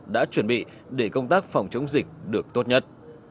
đã chuẩn bị để công tác phòng chống dịch được tốt nhất